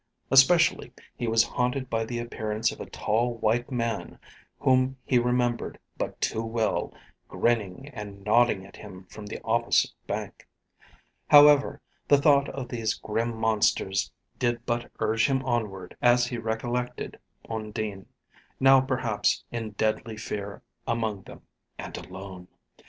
Especially he was haunted by the appearance of a tall white man, whom he remembered but too well, grinning and nodding at him from the opposite bank; however, the thought of these grim monsters did but urge him onward as he recollected Undine, now perhaps in deadly fear among them, and alone.